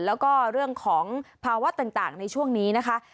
แล้วก็เรื่องของภาวะต่างในช่วงนี้นะคะ